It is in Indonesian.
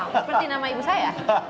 seperti nama ibu saya